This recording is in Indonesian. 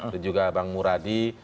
dan juga bang muradi